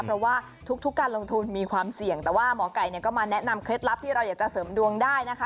เพราะว่าทุกการลงทุนมีความเสี่ยงแต่ว่าหมอไก่ก็มาแนะนำเคล็ดลับที่เราอยากจะเสริมดวงได้นะคะ